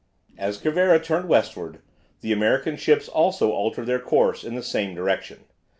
As Cervera turned westward the American ships also altered their course in the same direction.